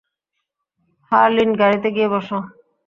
হারলিন, গাড়িতে গিয়ে বসো।